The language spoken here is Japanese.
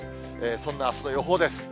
そんなあすの予報です。